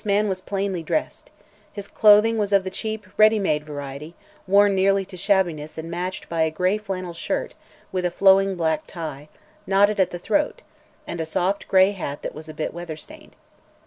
This man was plainly dressed. His clothing was of the cheap, ready made variety, worn nearly to shabbiness and matched by a gray flannel shirt with a flowing black tie, knotted at the throat, and a soft gray hat that was a bit weatherstained.